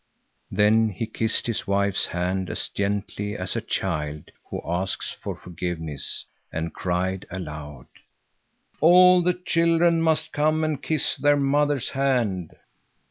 Then he kissed his wife's hand as gently as a child who asks for forgiveness and cried aloud: "All the children must come and kiss their mother's hand."